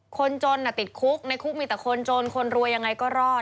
คนจนติดคุกในคุกมีแต่คนจนคนรวยยังไงก็รอด